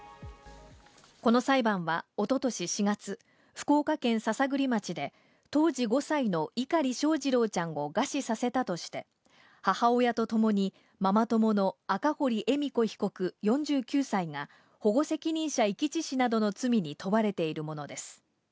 この裁判は一昨年４月、福岡県篠栗町で当時５歳の碇翔士郎ちゃんを餓死させたとして、母親とともにママ友の赤堀恵美子被告、４９歳が保護責任者遺棄致死などの罪に問われているものです。